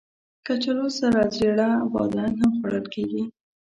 کچالو سره زېړه بادرنګ هم خوړل کېږي